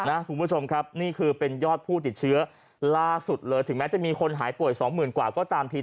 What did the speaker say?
คุณผู้ชมครับนี่คือเป็นยอดผู้ติดเชื้อล่าสุดเลยถึงแม้จะมีคนหายป่วยสองหมื่นกว่าก็ตามที